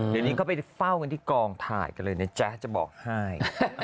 เดี๋ยวนี้ก็ไปเฝ้ากันที่กองถ่ายกันเลยนะจ๊ะจะบอกให้